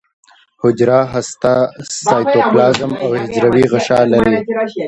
حجره هسته سایتوپلازم او حجروي غشا لري